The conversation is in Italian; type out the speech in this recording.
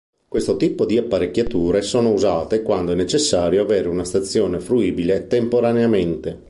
Questo tipo di apparecchiature sono usate quando è necessario avere una stazione fruibile temporaneamente.